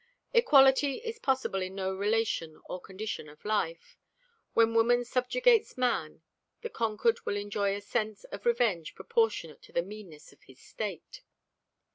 Equality is possible in no relation or condition of life. When woman subjugates man the conquered will enjoy a sense of revenge proportionate to the meanness of his state.